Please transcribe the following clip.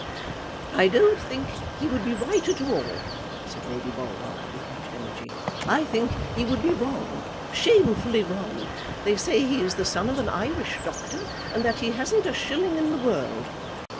"I don't think he would be right at all," said Lady Baldock, with much energy. "I think he would be wrong, shamefully wrong. They say he is the son of an Irish doctor, and that he hasn't a shilling in the world."